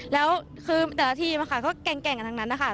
แล้วคือแต่ละทีมันค่ะก็แก่งอย่างนั้นค่ะ